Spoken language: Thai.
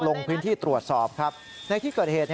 ลงพื้นที่ตรวจสอบครับในที่เกิดเหตุ